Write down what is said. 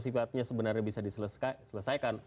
sifatnya sebenarnya bisa diselesaikan